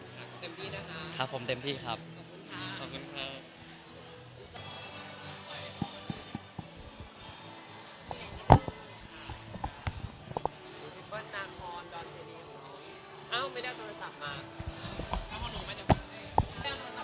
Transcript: ก็เต็มที่นะคะครับผมเต็มที่ครับขอบคุณค่ะ